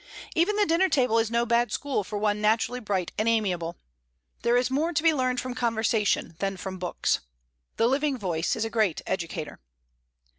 Even the dinner table is no bad school for one naturally bright and amiable. There is more to be learned from conversation than from books. The living voice is a great educator.